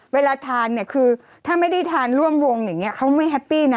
เวลาทานเนี่ยคือถ้าไม่ได้ทานร่วมวงอย่างนี้เขาไม่แฮปปี้นะ